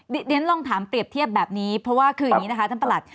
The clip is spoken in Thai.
เดี๋ยวฉันลองถามเปรียบเทียบแบบนี้เพราะว่าคืออย่างนี้นะคะท่านประหลัด